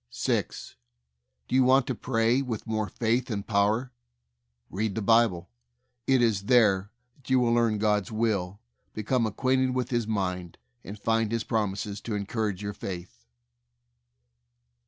6. Do you want to pray with more faith and power? Read the Bible. It is there that you will learn God's will, become ac quainted with His mind, and find His prom ises to encourage your faith.